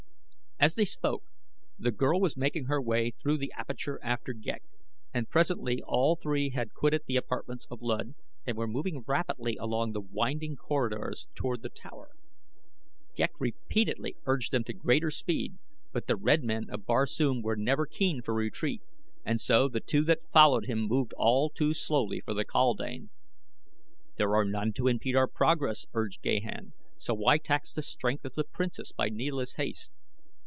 As they spoke the girl was making her way through the aperture after Ghek, and presently all three had quitted the apartments of Luud and were moving rapidly along the winding corridors toward the tower. Ghek repeatedly urged them to greater speed, but the red men of Barsoom were never keen for retreat, and so the two that followed him moved all too slowly for the kaldane. "There are none to impede our progress," urged Gahan, "so why tax the strength of the Princess by needless haste?"